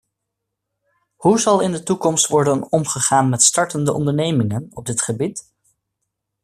Hoe zal in de toekomst worden omgegaan met startende ondernemingen op dit gebied?